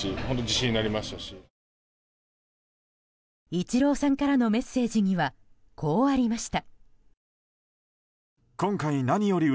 イチローさんからのメッセージにはこうありました。